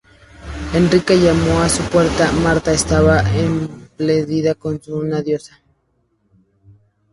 Enrique llamo a su puerta Marta estaba esplendida como una diosa